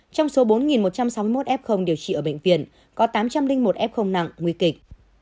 trong số bốn một trăm sáu mươi một ép công điều trị ở bệnh viện có tám trăm linh một ép công nặng nguy kịch